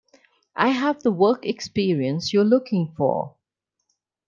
I have the work experience you are looking for.